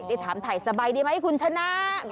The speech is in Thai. ได้ถามถ่ายสบายดีไหมคุณชนะ